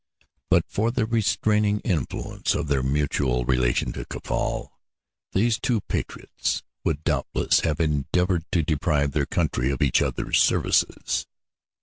But for the restraining influence of their mutual relation to Caffal these two patriots would doubtless have endeavored to deprive their country of each other's services.